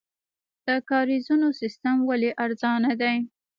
د کاریزونو سیستم ولې ارزانه دی؟